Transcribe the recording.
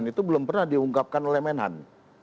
itu belum pernah diungkapkan oleh menhan